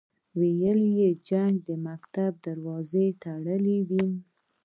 ویل یې جنګ د مکتب دروازې تړلې وې.